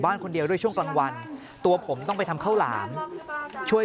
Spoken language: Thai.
คนเดียวด้วยช่วงกลางวันตัวผมต้องไปทำข้าวหลามช่วย